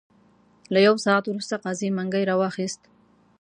له یو ساعت وروسته قاضي منګی را واخیست.